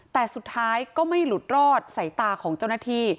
แต่สุดท้ายก็ไม่หลุดรอดสายตาของเจ้าหน้าที่